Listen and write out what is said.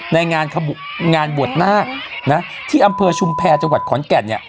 ในงานบวชนาคนะที่อำเภอชุมแพรจังหวัดขอนแก่นเนี่ย